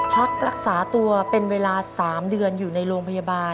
พักรักษาตัวเป็นเวลา๓เดือนอยู่ในโรงพยาบาล